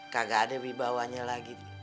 kagak ada wibawanya lagi